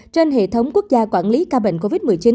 trên hệ thống quốc gia quản lý ca bệnh covid một mươi chín